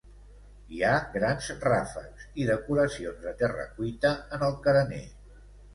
Hi ha grans ràfecs i decoracions de terra cuita en el carener.